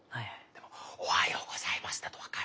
でも「おはようございます」だと分かる。